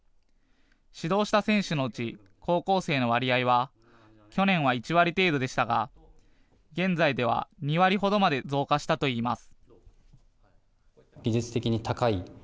指導した選手のうち高校生の割合は去年は１割程度でしたが現在では２割ほどまで増加したといいます。